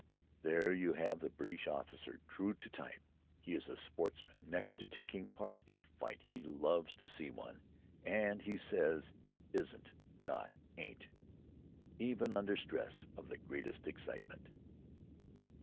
There you have the British officer true to type. He is a sportsman: next to taking part in a fight he loves to see one and he says "isn't" not "ain't," even under stress of the greatest excitement.